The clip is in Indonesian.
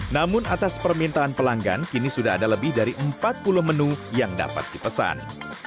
namun atas permintaan pelanggan kini sudah ada lebih dari empat puluh menu yang dapat dipesan